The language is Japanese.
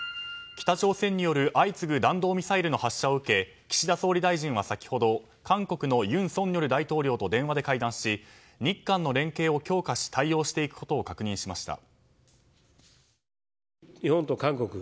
北朝鮮による相次ぐ弾道ミサイルの発射を受け岸田総理大臣は先ほど韓国の尹錫悦大統領と電話で会談し日韓の連携を強化し対応していくことを確認しました。